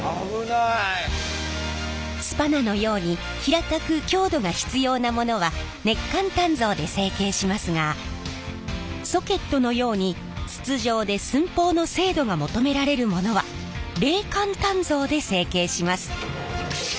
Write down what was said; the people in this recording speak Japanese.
スパナのように平たく強度が必要なものは熱間鍛造で成形しますがソケットのように筒状で寸法の精度が求められるものは冷間鍛造で成形します。